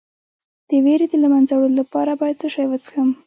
د ویرې د له منځه وړلو لپاره باید څه شی وڅښم؟